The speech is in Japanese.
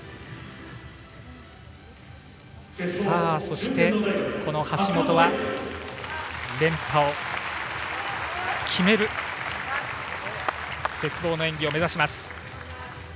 さあ、そして橋本は連覇を決める鉄棒の演技を目指します。